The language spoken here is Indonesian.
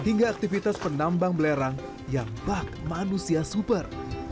hingga aktivitas penambang belerang yang bak manusia super